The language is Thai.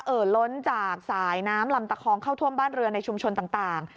ล้นจากสายน้ำลำตะคองเข้าท่วมบ้านเรือนในชุมชนต่าง